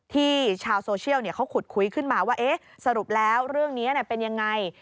ชาวโซเชียลเขาขุดคุยขึ้นมาว่าสรุปแล้วเรื่องนี้เป็นยังไง